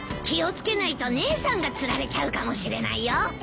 気を付けないと姉さんが釣られちゃうかもしれないよ。